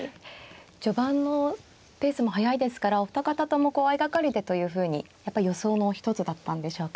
序盤のペースも速いですからお二方ともこう相掛かりでというふうにやっぱり予想の一つだったんでしょうか。